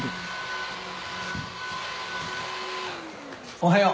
・おはよう。